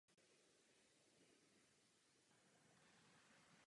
V důsledku poměrně slabé ledové pokrývky bylo moře východiskem několika expedic.